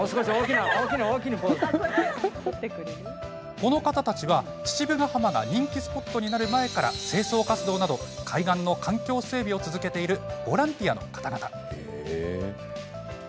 この方たち、父母ヶ浜が人気スポットになる前から清掃活動など、海岸の環境整備を続けているボランティアの方々。